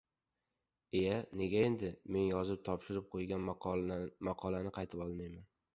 — Iya, nega endi?! Men yozib topshirib qo‘ygan maqolani qaytib ololmayman.